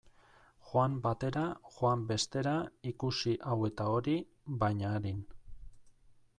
Joan batera, joan bestera, ikusi hau eta hori, baina arin.